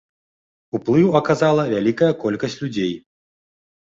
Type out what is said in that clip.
Уплыў аказала вялікая колькасць людзей.